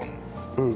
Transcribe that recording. うん！